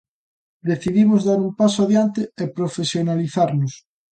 Decidimos dar un paso adiante e profesionalizarnos.